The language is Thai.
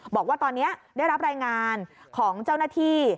บอกว่าตอนนี้ได้รับรายงานของเจ้าหน้าที่